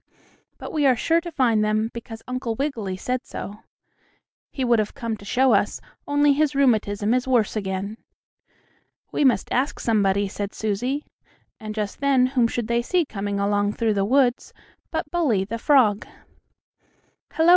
"But we are sure to find them, because Uncle Wiggily said so. He would have come to show us, only his rheumatism is worse again." "We must ask somebody," said Susie, and just then whom should they see coming along through the woods but Bully, the frog. "Hello!"